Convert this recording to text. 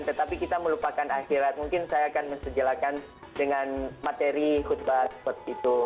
tetapi kita melupakan akhirat mungkin saya akan mensejalakan dengan materi khutbah seperti itu